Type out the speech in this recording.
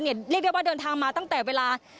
เรียกได้ว่าเดินทางมาตั้งแต่เวลา